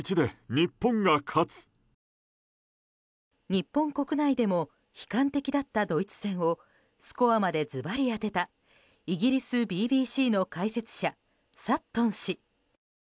日本国内でも悲観的だったドイツ戦をスコアまでズバリ当てたイギリスＢＢＣの解説者サットン氏。